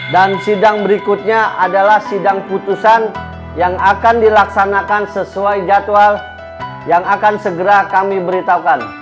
sidang berikutnya adalah sidang putusan yang akan dilaksanakan sesuai jadwal yang akan segera kami beritahukan